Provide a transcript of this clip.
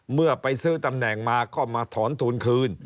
เมื่อไปซื้อตำแหน่งมาก็มาถอนทุนคืน